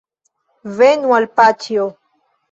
Venu al paĉjo